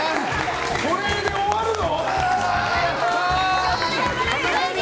これで終わるの？